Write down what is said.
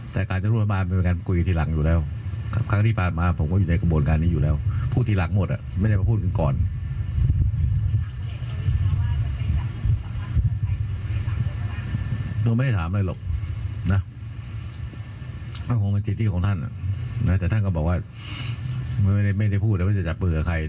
เลยไม่ได้ถามหลังลวงมันคงมันจิตที่ของท่านนะแต่ท่านก็บอกว่าไม่ได้ไม่ได้พูดว่าจะจับบือกับใคร